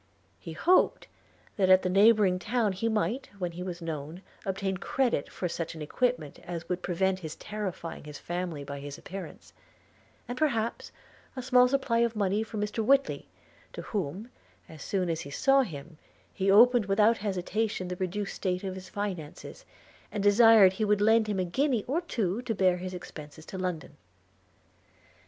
He hoped that at the neighbouring town he might, when he was known, obtain credit for such an equipment as would prevent his terrifying his family by his appearance; and, perhaps, a small supply of money from Mr Whitly, to whom, as soon as he saw him, he opened without hesitation the reduced state of his finances, and desired he would lend him a guinea or two to bear his expences to London.